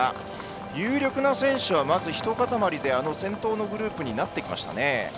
有力な選手はまずひと固まりで先頭のグループになってきましたね。